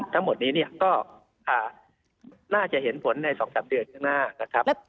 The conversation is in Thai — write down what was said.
ทั้งหมดนี้ก็น่าจะเห็นผลใน๒๓เดือนหน้าครับ